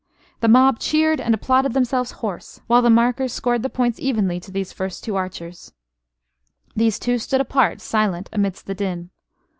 The mob cheered and applauded themselves hoarse; while the markers scored the points evenly to these first two archers. These two stood apart, silent amidst the din.